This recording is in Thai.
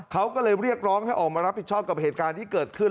เขาก็เลยเรียกร้องให้ออกมารับผิดชอบกับเหตุการณ์ที่เกิดขึ้น